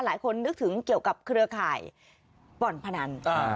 หลายคนนึกถึงเกี่ยวกับเครือข่ายบ่อนพนัน